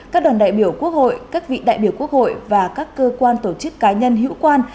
các đoàn đại biểu quốc hội các vị đại biểu quốc hội và các cơ quan tổ chức cá nhân hữu quan